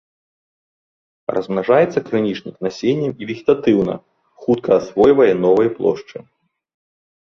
Размнажаецца крынічнік насеннем і вегетатыўна, хутка асвойвае новыя плошчы.